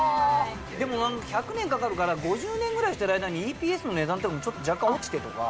でも１００年かかるから５０年ぐらいしてる間にＥＰＳの値段とかもちょっと若干落ちてとか。